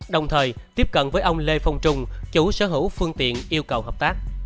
đồng thời tiếp cận với ông lê phong trung chủ sở hữu phương tiện yêu cầu hợp tác